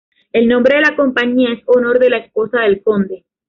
El nombre de la compañía es honor de la esposa del conde.